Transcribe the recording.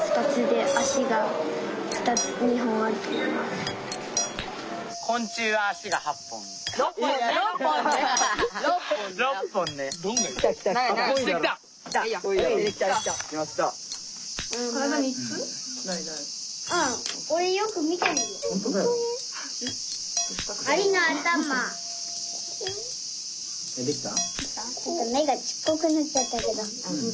目がちっこくなっちゃったけど。